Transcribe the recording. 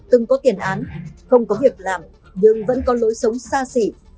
từng có tiền án không có việc làm nhưng vẫn có lối sống xa xỉ